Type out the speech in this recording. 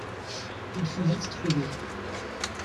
Il fut vite trouvé.